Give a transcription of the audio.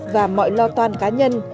và mọi lo toan cá nhân